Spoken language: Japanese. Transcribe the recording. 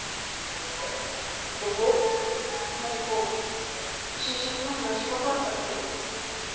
暢子就職の話断ったってよ。